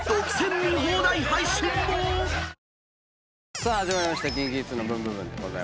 さあ始まりました『ＫｉｎＫｉＫｉｄｓのブンブブーン！』です。